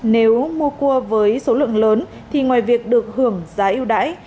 nếu mua cua với số lượng lớn thì ngoài việc được hưởng giá yêu đáy